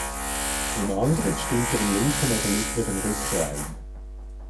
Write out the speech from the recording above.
Im Angriff spielt er im linken oder mittleren Rückraum.